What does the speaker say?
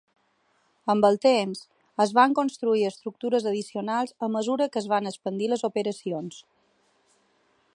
Amb el temps, es van construir estructures addicionals a mesura que es van expandir les operacions.